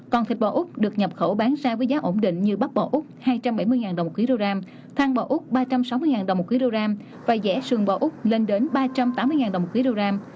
còn thịt bò úc được nhập khẩu bán ra với giá ổn định như bắp bò úc hai trăm bảy mươi đồng một kg than bò úc ba trăm sáu mươi đồng một kg và rẻ sườn bò úc lên đến ba trăm tám mươi đồng một kg